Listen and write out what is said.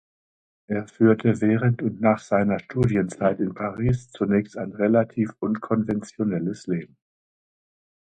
Er führte während und nach seiner Studienzeit in Paris zunächst ein relativ unkonventionelles Leben.